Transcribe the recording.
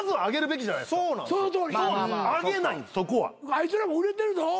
あいつらも売れてるぞ。